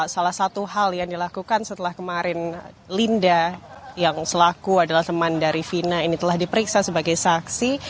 salah satu hal yang dilakukan setelah kemarin linda yang selaku adalah teman dari vina ini telah diperiksa sebagai saksi